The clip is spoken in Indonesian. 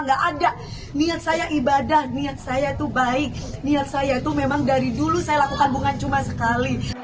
nggak ada niat saya ibadah niat saya itu baik niat saya itu memang dari dulu saya lakukan bukan cuma sekali